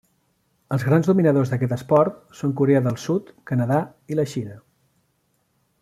Els grans dominadors d'aquest esport són Corea del Sud, Canadà i la Xina.